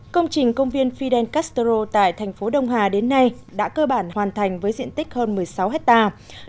công trình công viên fidel castro tại thành phố đông hà đến nay đã cơ bản hoàn thành với diện tích hơn một mươi sáu hectare